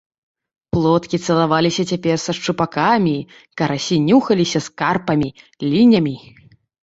Плоткі цалаваліся цяпер са шчупакамі, карасі нюхаліся з карпамі, лінямі.